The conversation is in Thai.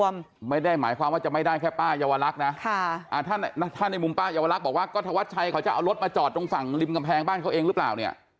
เขาจะเอารถมาจอดตรงฝั่งริมกำแพงบ้านเขาเองหรือเปล่า